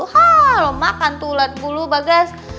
hah lo makan tuh ulat bulu bagas